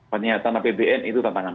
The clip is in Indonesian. penyihatan apbn itu tantangan